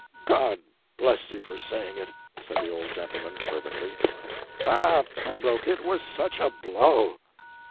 "God bless you for saying it!" said the old gentleman, fervently. "Ah, Pembroke, it was such a blow!"